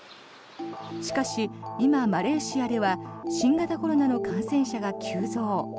しかし、今、マレーシアでは新型コロナの感染者が急増。